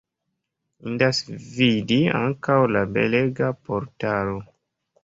Indas vidi ankaŭ la belega portalo.